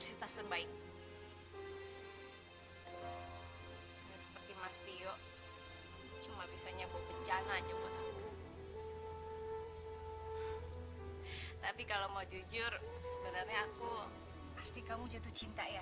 sampai jumpa di video selanjutnya